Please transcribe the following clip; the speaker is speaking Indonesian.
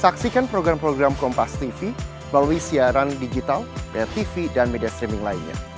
saksikan program program kompas tv melalui siaran digital bayar tv dan media streaming lainnya